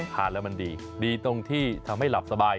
ทานแล้วมันดีดีตรงที่ทำให้หลับสบาย